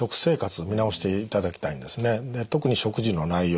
で特に食事の内容。